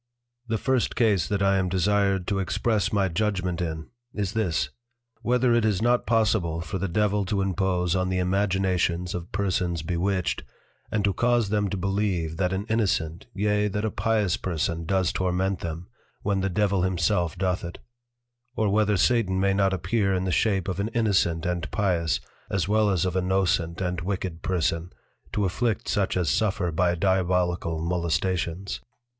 The First Case that I am desired to express my Judgment in, is this, _Whether it is not Possible for the Devil to impose on the imaginations of Persons Bewitched, and to cause them to Believe that an Innocent, yea that a Pious person does torment them, when the Devil himself doth it; or whether Satan may not appear in the Shape of an Innocent and Pious, as well as of a Nocent and Wicked Person, to Afflict such as suffer by Diabolical Molestations?